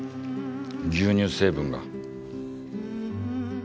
牛乳成分が。